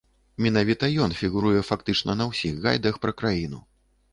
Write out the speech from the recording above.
Менавіта ён фігуруе фактычна на ўсіх гайдах пра краіну.